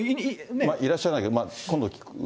いらっしゃらないけど、今度聞く。